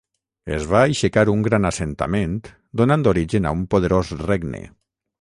Es va aixecar un gran assentament donant origen a un poderós regne.